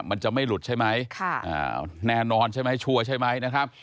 มันจะไม่หลุดใช่ไหมแน่นอนใช่ไหมชัวร์ใช่ไหมนะครับ